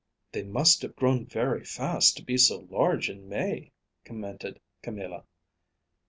"They must have grown very fast to be so large in May," commented Camilla.